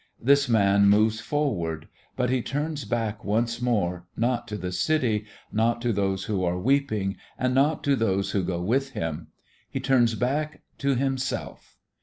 This man moves forward, but he turns back once more, not to the city, not to those who are weeping, and not to those who go with him: he turns back to himself.